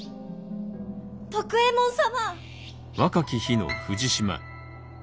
徳右衛門様！